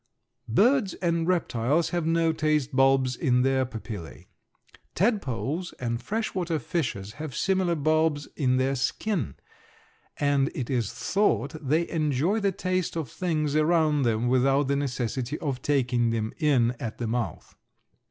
Birds and reptiles have no taste bulbs in their papillæ. Tadpoles and freshwater fishes have similar bulbs in their skin, and it is thought they enjoy the taste of things around them without the necessity of taking them in at the mouth.